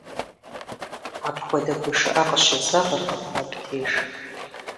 Апхуэдэ гушыӀэ къыщезэгъыркъым мыбдеж.